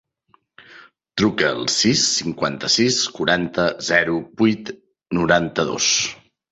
Truca al sis, cinquanta-sis, quaranta, zero, vuit, noranta-dos.